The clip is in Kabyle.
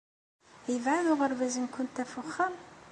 Yebɛed uɣerbaz-nwent ɣef wexxam?